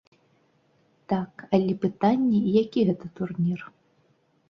Так, але пытанне, які гэта турнір.